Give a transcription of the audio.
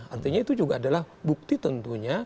artinya itu juga adalah bukti tentunya